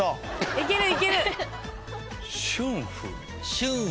いけるいける。